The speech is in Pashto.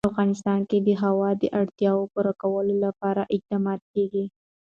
په افغانستان کې د هوا د اړتیاوو پوره کولو لپاره اقدامات کېږي.